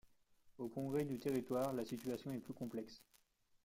Au Congrès du Territoire, la situation est plus complexe.